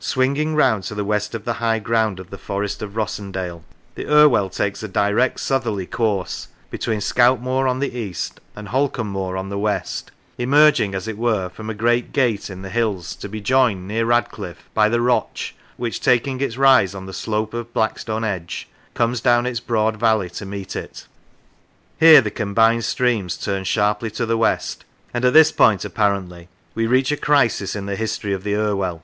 Swinging round to the west of the high ground of the Forest of Rossendale, the Irwell takes a direct southerly course between Scoutmoor on the east and Holcombe Moor on the west, emerging as it were from a great gate in the hills to be joined, near Radcliffe, by the Roch, which, taking its rise on the slope of Blackstone Edge, comes down its broad valley to meet it. Here the combined streams turn sharply to the west, and at this point apparently we reach a crisis in the history of the Irwell.